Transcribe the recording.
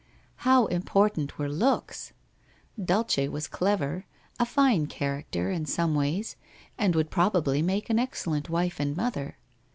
How important were looks! Dulce was clever, a fine character, in some ways, and would proba bly make an excellent wife and mother.